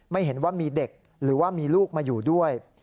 ไม่เห็นว่ามีเด็กหรือว่ามีลูกมาอยู่ด้วย